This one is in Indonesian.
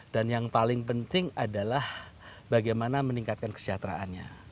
dan yang paling penting adalah bagaimana meningkatkan kesejahteraannya